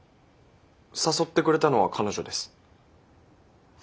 誘ってくれたのは彼女です。